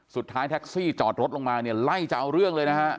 สุดท้ายแท็กซี่จอดรถลงมาเนี่ยไล่จะเอาเรื่องเลยนะฮะ